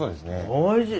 おいしい。